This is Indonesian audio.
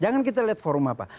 jangan kita lihat forum apa